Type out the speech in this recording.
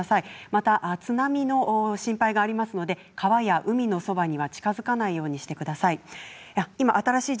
また、津波の心配がありますので川や海のそばには近づかないようにしてください。